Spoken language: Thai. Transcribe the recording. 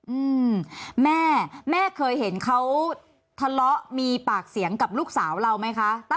อืมแม่แม่เคยเห็นเขาทะเลาะมีปากเสียงกับลูกสาวเราไหมคะ